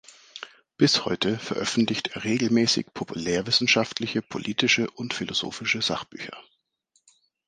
Bis heute veröffentlicht er regelmäßig populärwissenschaftliche politische und philosophische Sachbücher.